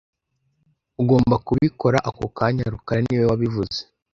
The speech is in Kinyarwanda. Ugomba kubikora ako kanya rukara niwe wabivuze